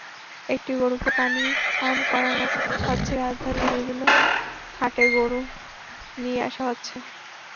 একটি গরুকে পানি পান করানো হচ্ছেরাজধানীর বিভিন্ন হাটে গরু নিয়ে আসা হচ্ছে।